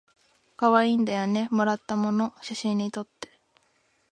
かわいいんだよねもらったもの写真にとって